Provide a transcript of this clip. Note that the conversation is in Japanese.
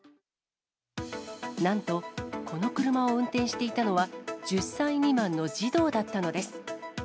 なんと、この車を運転していたのは、１０歳未満の児童だったのです。